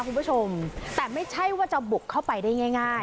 คุณผู้ชมแต่ไม่ใช่ว่าจะบุกเข้าไปได้ง่าย